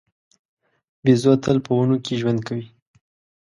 بیزو تل په ونو کې ژوند کوي.